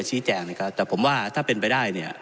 ชี้แจงนะครับแต่ผมว่าถ้าเป็นไปได้เนี่ย